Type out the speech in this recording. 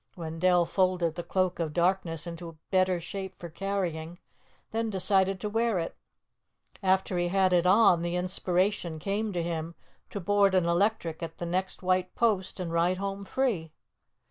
Wendell folded the Cloak of Darkness into a better shape for carrying, then decided to wear it. After he had it on, the inspiration came to him to board an electric at the next white post, and ride home free.